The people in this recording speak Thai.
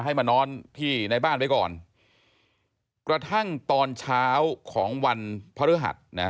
ให้มานอนที่ในบ้านไว้ก่อนกระทั่งตอนเช้าของวันพระฤหัสนะ